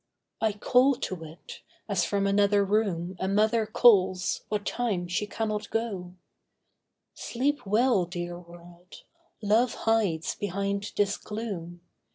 I call to it (as from another room A mother calls, what time she cannot go): 'Sleep well, dear world; Love hides behind this gloom.